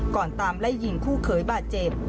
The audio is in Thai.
ตามไล่ยิงคู่เขยบาดเจ็บ